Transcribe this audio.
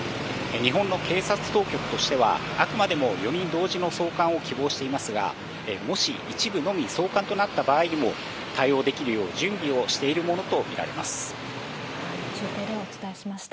日本の警察当局としては、あくまでも４人同時の送還を希望していますが、もし一部のみ送還となった場合にも対応できるよう準備をしている中継でお伝えしました。